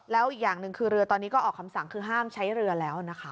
แล้วอีกอย่างหนึ่งคือเรือตอนนี้ก็ออกคำสั่งคือห้ามใช้เรือแล้วนะคะ